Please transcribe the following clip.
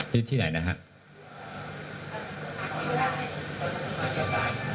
ที่ไหนนะครับ